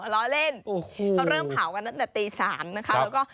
ล้อเล่นเขาเริ่มเผากันตั้งแต่ตี๓นะคะแล้วก็